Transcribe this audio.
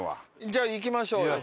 じゃあ行きましょうよ。